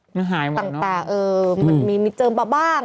เจอเตาะอยู่เจอมาบ้าง